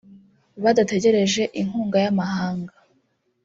badategereje inkunga y’amahanga